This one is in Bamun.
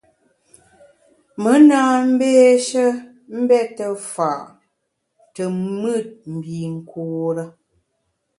Me na mbéshe mbète fa’ te mùt mbinkure.